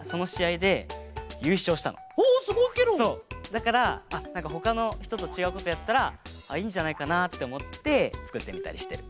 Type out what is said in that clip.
だからほかのひととちがうことやったらいいんじゃないかなっておもってつくってみたりしてる。